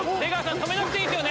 止めなくていいんすよね？